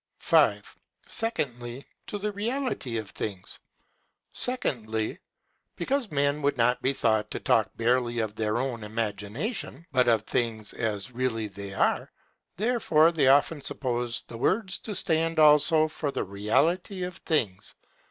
5. Secondly, to the Reality of Things. Secondly, Because men would not be thought to talk barely of their own imagination, but of things as really they are; therefore they often suppose the WORDS TO STAND ALSO FOR THE REALITY OF THINGS.